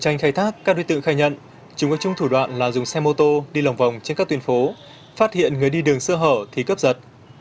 trong thời thác các đối tượng khai nhận chúng có chung thủ đoạn là dùng xe mô tô đi lòng vòng trên các tuyến phố phát hiện người đi đường xưa hở thì cấp giật